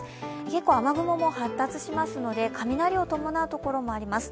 結構雨雲も発達しそうですので、雷を伴う所もあります。